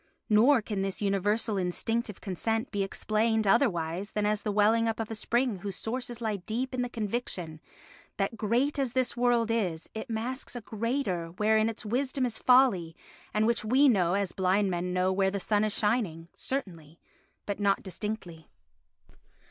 Nor can this universal instinctive consent be explained otherwise than as the welling up of a spring whose sources lie deep in the conviction that great as this world is, it masks a greater wherein its wisdom is folly and which we know as blind men know where the sun is shining, certainly, but not distinctly.